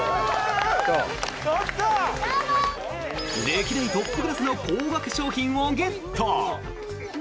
歴代トップクラスの高額商品をゲット！